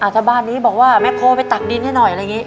ถ้าบ้านนี้บอกว่าแม่โพไปตักดินให้หน่อยอะไรอย่างนี้